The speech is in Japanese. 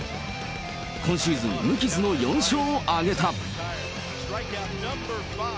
今シーズン、無傷の４勝を挙げた。